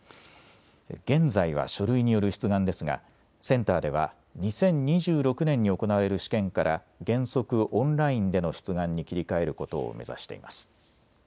現在は書類による出願ですがセンターでは２０２６年に行われる試験から原則オンラインでの出願に切り替えることを目指しています。